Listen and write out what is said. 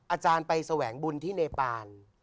อาจารย์ไปแสวงบุญที่เนปาน